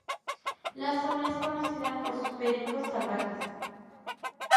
La zona es conocida por sus pericos salvajes.